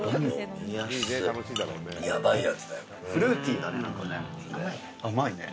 フルーティーだね何かね。